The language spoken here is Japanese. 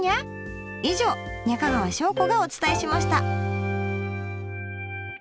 以上中川翔子がお伝えしました。